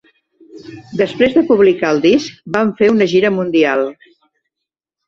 Després de publicar el disc van fer una gira mundial.